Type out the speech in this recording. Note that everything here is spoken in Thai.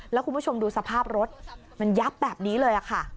แล้วคุณผู้ชมดูสภาพรถมันยับแบบนี้เลยค่ะ